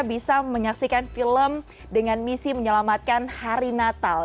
bisa menyaksikan film dengan misi menyelamatkan hari natal